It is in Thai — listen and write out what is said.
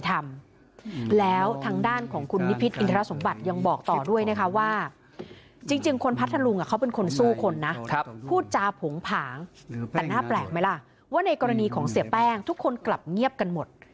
แต่หน้าแปลกไหมล่ะว่าในกรณีของเสียแป้งทุกคนกลับเงียบกันหมด